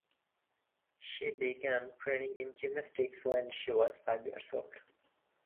She began training in gymnastics when she was five years old.